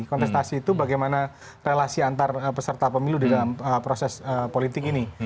kontestasi itu bagaimana relasi antar peserta pemilu di dalam proses politik ini